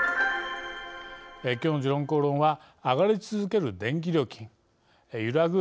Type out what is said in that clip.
きょうの「時論公論」は上がり続ける電気料金揺らぐ